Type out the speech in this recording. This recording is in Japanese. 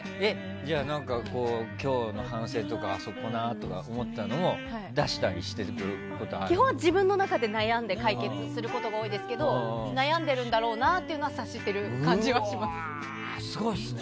じゃあ、今日の反省とかあそこなとか思ってるのを基本、自分の中で悩んで解決することが多いですけど悩んでるんだろうなっていうのはすごいですね。